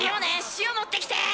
塩持ってきて。